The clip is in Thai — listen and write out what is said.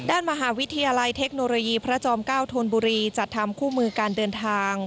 ด้านมหาวิทยาลัยเทคโนโลยีพระจอม๙ธนบุรีจัดทำคู่มือการเดินทาง